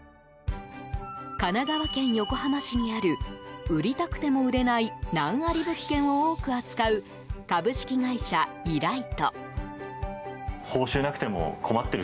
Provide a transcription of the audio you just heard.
神奈川県横浜市にある売りたくても売れない難あり物件を多く扱う株式会社リライト。